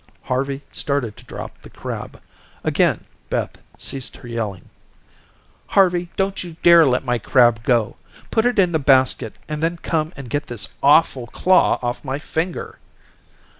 Harvey started to drop the crab. Again Beth ceased her yelling. "Harvey, don't you dare let my crab go. Put it in the basket and then come and get this awful claw off my finger."